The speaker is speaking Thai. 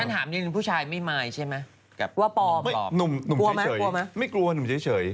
แต่ผู้ชายไม่เป็นอะไรใช่ไหม